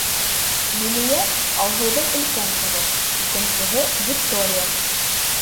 Лилиә — Алһыуҙың өлкән ҡыҙы, икенсеһе — Виктория.